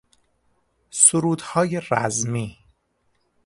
سرودهای رزمی